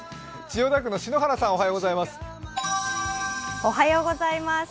千代田区の篠原さん、おはようございます。